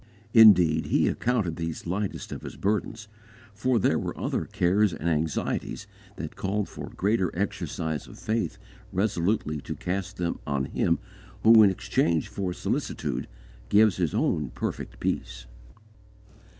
Indeed he accounted these the lightest of his burdens, for there were other cares and anxieties that called for greater exercise of faith resolutely to cast them on Him who, in exchange for solicitude, gives His own perfect peace.